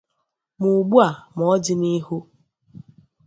ma ugbua ma n'ọdịnihu.